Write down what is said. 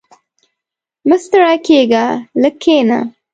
• مه ستړی کېږه، لږ کښېنه.